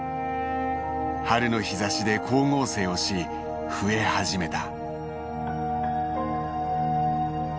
春の日ざしで光合成をし増え始めた。